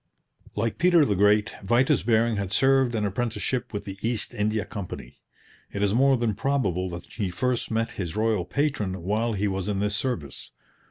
Like Peter the Great, Vitus Bering had served an apprenticeship with the East India Company. It is more than probable that he first met his royal patron while he was in this service.